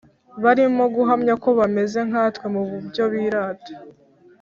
Barimo guhamya ko bameze nkatwe mu byo birata